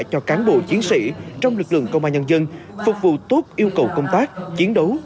cho cán bộ chiến sĩ trong lực lượng công an nhân dân phục vụ tốt yêu cầu công tác chiến đấu